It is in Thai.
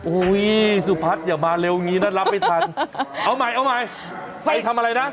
โอ้ยสุภัทรอย่ามาเร็วงี้นะรับไม่ทันเอาใหม่เอาใหม่ไปทำอะไรนะ